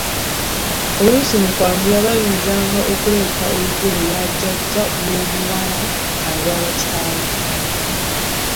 Oluusi mu kwanjula baayinzanga okuleeta olugoye lwa Jjajja w’omuwala azaala kitaawe.